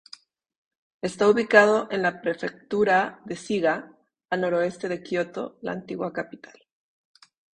Está ubicado en la prefectura de Shiga, al noreste de Kioto, la antigua capital.